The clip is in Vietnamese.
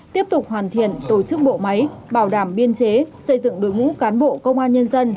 tiếp tục hoàn thiện tổ chức bộ máy bảo đảm biên chế xây dựng đối ngũ cán bộ công an nhân dân